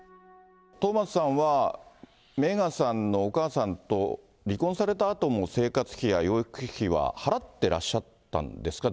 トーマスさんは、メーガンさんのお母さんと離婚されたあとも、生活費や養育費は払ってらっしゃったんですか？